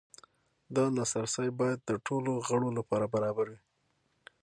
دا لاسرسی باید د ټولو غړو لپاره برابر وي.